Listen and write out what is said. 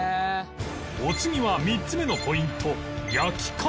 お次は３つ目のポイント焼き方